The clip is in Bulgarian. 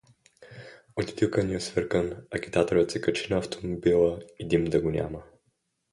Одюдюкан и освиркан, агитаторът се качи на автомобила и дим да го няма.